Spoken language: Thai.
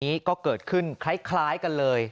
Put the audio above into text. นี้ก็เกิดขึ้นคล้ายกันเลย